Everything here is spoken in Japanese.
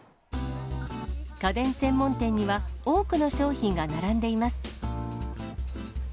家電専門店には多くの商品が並んでいます。